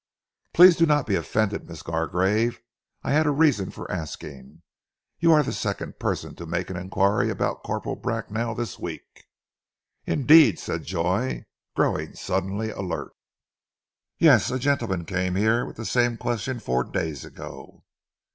"Please do not be offended, Miss Gargrave. I had a reason for asking. You are the second person to make inquiry about Corporal Bracknell this week." "Indeed?" said Joy, growing suddenly alert. "Yes, a gentleman came here with the same question four days ago."